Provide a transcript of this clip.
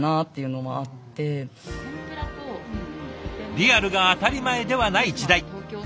リアルが当たり前ではない時代。